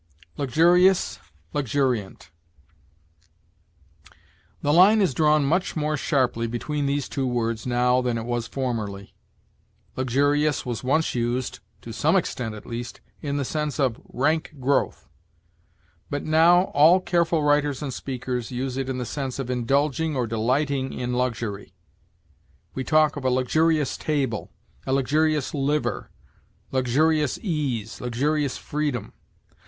LUXURIOUS LUXURIANT. The line is drawn much more sharply between these two words now than it was formerly. Luxurious was once used, to some extent at least, in the sense of rank growth, but now all careful writers and speakers use it in the sense of indulging or delighting in luxury. We talk of a luxurious table, a luxurious liver, luxurious ease, luxurious freedom.